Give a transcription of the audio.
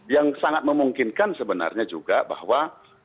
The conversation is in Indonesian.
yang sangat memungkinkan sebenarnya juga bahwa